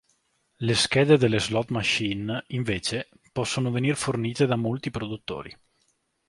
Le schede delle slot machine, invece, possono venir fornite da molti produttori.